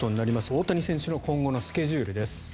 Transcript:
大谷選手の今後のスケジュールです。